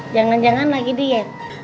jangan jangan lagi diet